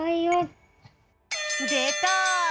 でた！